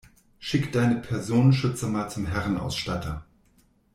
Schick deine Personenschützer mal zum Herrenausstatter.